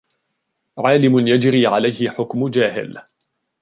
عَالِمٌ يَجْرِي عَلَيْهِ حُكْمُ جَاهِلٍ